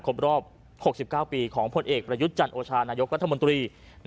ครบรอบ๖๙ปีของผลเอกประยุทธ์จันโอชานายกรัฐมนตรี